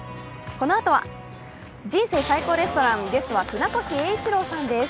このあとは「人生最高レストラン」ゲストは船越英一郎さんです。